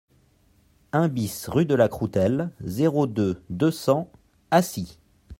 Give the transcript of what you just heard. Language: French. un BIS rue de la Croutelle, zéro deux, deux cents, Acy